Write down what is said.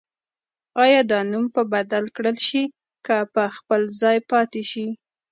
آیا دا نوم به بدل کړل شي که په خپل ځای پاتې شي؟